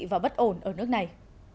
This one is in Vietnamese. và bất ổn ở nước này